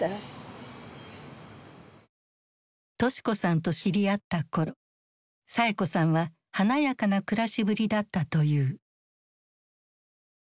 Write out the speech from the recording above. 敏子さんと知り合った頃サエ子さんは華やかな暮らしぶりだったという。